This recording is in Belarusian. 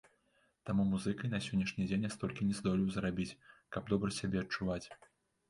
Таму музыкай на сённяшні дзень я столькі не здолею зарабіць, каб добра сябе адчуваць.